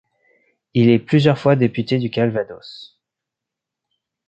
Il est plusieurs fois député du Calvados.